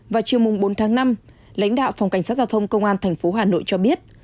vào chiều mùng bốn tháng năm lãnh đạo phòng cảnh sát giao thông công an tp hà nội cho biết